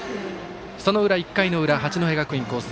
その裏、１回の裏八戸学院光星